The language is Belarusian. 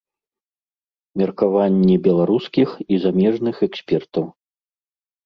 Меркаванні беларускіх і замежных экспертаў.